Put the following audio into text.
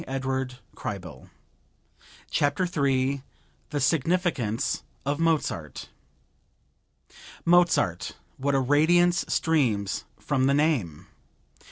New York, June 7, 1905 THE SIGNIFICANCE OF MOZART Mozart! What a radiance streams from the name!